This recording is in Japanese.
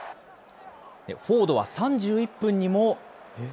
フォードは３１分にも。